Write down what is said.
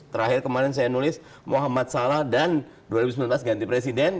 terakhir kemarin saya nulis muhammad salah dan dua ribu sembilan belas ganti presiden